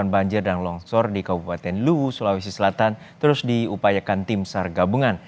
banjir dan longsor di kabupaten luwu sulawesi selatan terus diupayakan tim sar gabungan